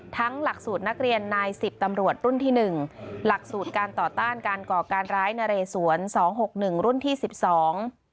หลักสูตรนักเรียนนายสิบตำรวจรุ่นที่หนึ่งหลักสูตรการต่อต้านการก่อการร้ายนะเรสวนสองหกหนึ่งรุ่นที่สิบสอง